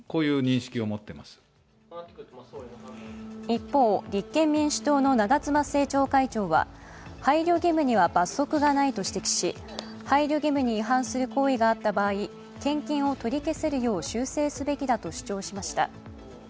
一方、立憲民主党の長妻政調会長は配慮義務には罰則がないと指摘し配慮義務に違反する行為があった場合、献金を取り消せるよう修正すべきだと主張しました。